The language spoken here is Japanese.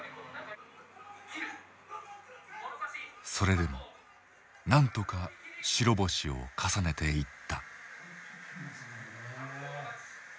それでもなんとか白星を重ねていった。